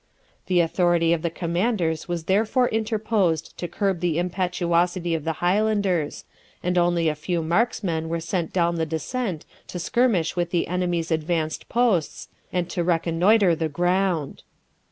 The authority of the commanders was therefore interposed to curb the impetuosity of the Highlanders, and only a few marksmen were sent down the descent to skirmish with the enemy's advanced posts and to reconnoitre the ground.